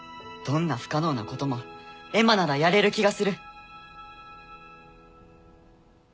どんな不可能なこともエマならやれる気がする。